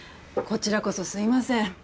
こちらこそすみません。